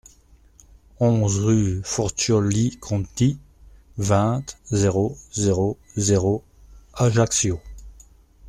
onze rue Forcioli-Conti, vingt, zéro zéro zéro, Ajaccio